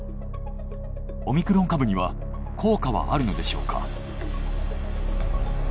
オミクロン株には効果はあるのでしょうか。